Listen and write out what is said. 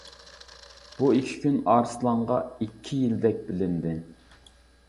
بۇ ئىككى كۈن ئارسلانغا ئىككى يىلدەك بىلىندى.